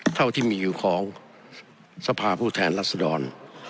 เท่าที่มีอยู่ของสภาผู้แทนรัศดร